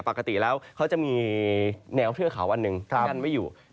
ปกติแล้วเขาจะมีแนวเทือกเขาอันหนึ่งกั้นไม่อยู่